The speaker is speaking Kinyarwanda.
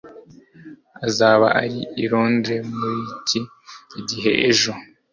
Azaba ari i Londres muri iki gihe ejo.